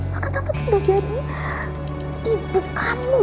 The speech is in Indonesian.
bahkan tante tuh udah jadi ibu kamu